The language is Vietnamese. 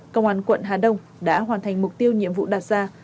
công an quận hà đông đã hoàn thành mục tiêu nhiệm vụ đặt ra